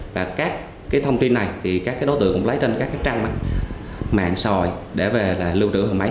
và các thông tin này thì các đối tượng cũng lấy trên các trang mạng sòi để lưu trữ hình máy